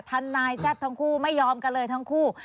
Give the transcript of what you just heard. ทนายแซ่บทั้งคู่ไม่ยอมกันเลยทั้งคู่